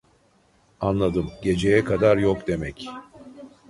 Anladım geceye kadar yok demek